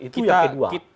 itu yang kedua